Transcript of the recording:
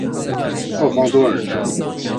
奥方多尔。